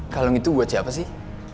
kalung itu buat siapa sih